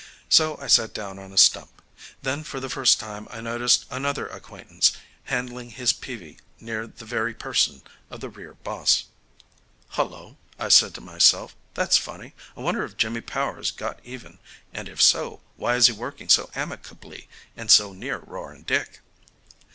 So I sat down on a stump. Then for the first time I noticed another acquaintance, handling his peavie near the very person of the rear boss. "Hullo," said I to myself, "that's funny. I wonder if Jimmy Powers got even; and if so, why he is working so amicably and so near Roaring Dick."